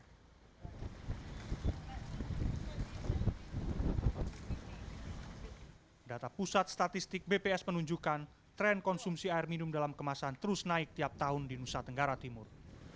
data pusat statistik bps menunjukkan tren konsumsi air minum dalam kemasan terus naik tiap tahun di nusa tenggara timur